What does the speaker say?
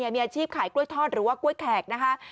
มีอาชีพขายกล้วยทอดหรือว่ากล้วยแขกนะคะ